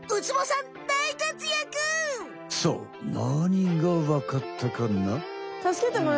さあなにがわかったかな？